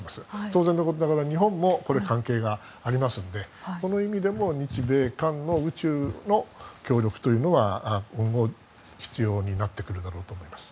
当然のことながら日本も関係がありますのでこの意味でも日米韓の宇宙の協力というのは必要になるだろうと思います。